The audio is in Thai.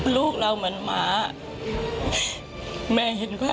ดีกว่าจะได้ตัวคนร้าย